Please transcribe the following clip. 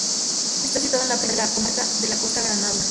Está situada en la parte oriental de la comarca de la Costa Granadina.